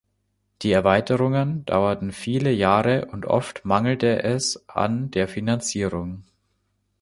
Die Erweiterungen dauerten viele Jahre und oft mangelte es an der Finanzierung.